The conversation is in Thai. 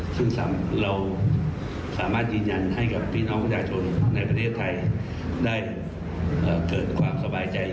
ซึ่งเราสามารถยืนยันให้กับพี่น้องประชาชนในประเทศไทยได้เกิดความสบายใจ